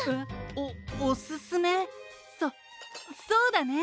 そそうだね。